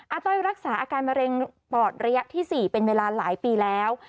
ต้อยรักษาอาการมะเร็งปอดระยะที่๔เป็นเวลาหลายปีแล้ว